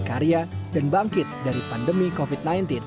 karya dan bangkit dari pandemi covid sembilan belas